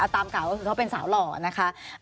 ตามกล่าวว่าเขาเป็นสาวหล่อนะคะ